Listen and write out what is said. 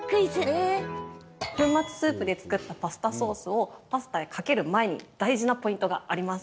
粉末スープで作ったパスタソースをパスタにかける前に大事なポイントがあります。